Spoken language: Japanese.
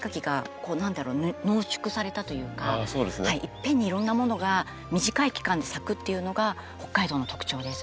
濃縮されたというかいっぺんにいろんなものが短い期間で咲くっていうのが北海道の特徴です。